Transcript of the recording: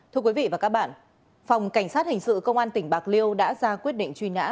thưa quý vị và các bạn phòng cảnh sát hình sự công an tỉnh bạc liêu đã ra quyết định truy nã